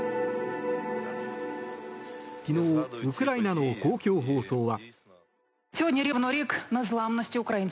昨日ウクライナの公共放送は。